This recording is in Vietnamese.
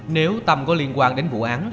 nếu tâm có liên quan đến vụ án